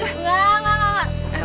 enggak enggak enggak